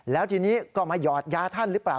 แล้วทีนี้ก็มาหยอดยาท่านหรือเปล่า